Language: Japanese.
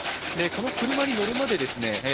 この車に乗るまでですね